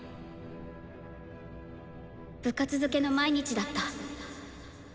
部活づけの毎日だった。